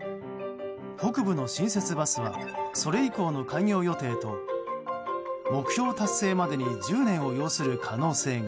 北部の新設バスはそれ以降の開業予定と目標達成までに１０年を要する可能性が。